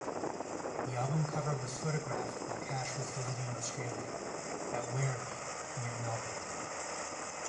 The album cover was photographed while Cash was visiting Australia, at Werribee near Melbourne.